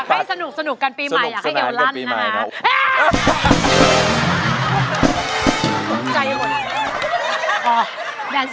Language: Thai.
ให้สนุกกันปีใหม่อยากให้เอวลั่นนะคะ